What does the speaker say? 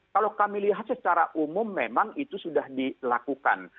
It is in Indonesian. kalau kami lihat secara umum memang itu sudah dilakukan